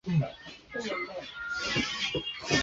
柯金斯基除执导本片外又兼任监制工作。